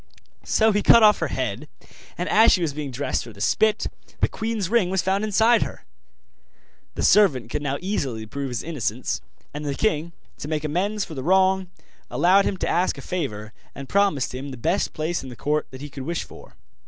So he cut off her head, and as she was being dressed for the spit, the queen's ring was found inside her. The servant could now easily prove his innocence; and the king, to make amends for the wrong, allowed him to ask a favour, and promised him the best place in the court that he could wish for.